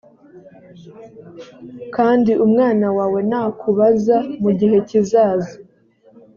kandi umwana wawe nakubaza mu gihe kizaza